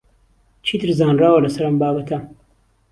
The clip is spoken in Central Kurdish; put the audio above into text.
چیتر زانراوە لەسەر ئەم بابەتە؟